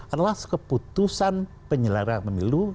adalah keputusan penyelaraan pemilu